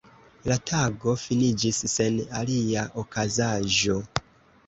La tago finiĝis sen alia okazaĵo.